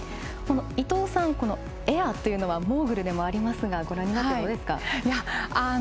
伊藤さん、エアというのはモーグルでもありますがご覧になってどうですか？